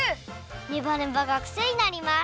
ネバネバがくせになります！